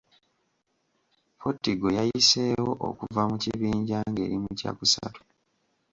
Portigal yayiseewo okuva mu kibinja ng’eri mu kyakusatu.